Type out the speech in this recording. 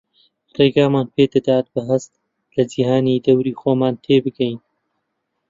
ڕێگامان پێدەدات بە هەست لە جیهانی دەوری خۆمان تێبگەین